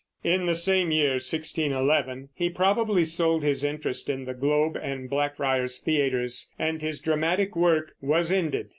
In the same year (1611) he probably sold his interest in the Globe and Blackfriars theaters, and his dramatic work was ended.